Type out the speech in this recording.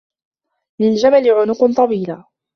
لِلْجَمَلِ عُنُقٌ طَوِيلٌ.